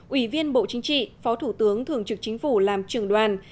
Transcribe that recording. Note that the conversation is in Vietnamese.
ủy viên bộ chính trị phó thủ tướng thường trực chính phủ làm trường đoàn